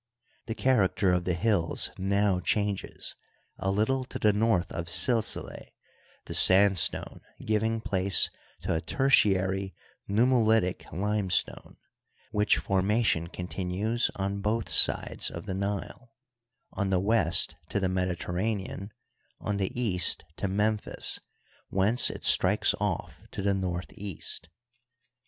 The character of the hills now changes, a little to the north of Silsileh, the sandstone giving place to a ter tiary nummulitic limestone, which formation continues on both sides of the Nile, on the west to the Mediterranean, on the east to Memphis, whence it strikes off to the north east.